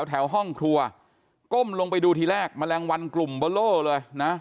แถวห้องครัวก้มลงไปดูทีแรกแมลงวันกลุ่มเบอร์โล่เลยนะ